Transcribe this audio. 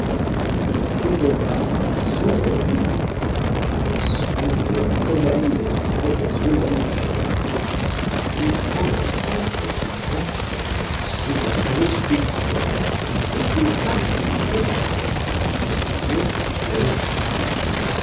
M. d'Aubonne saw me, I was strongly recommended by his relation; he promised, therefore, to question and see what I was fit for, and, if he found me capable to seek me a situation.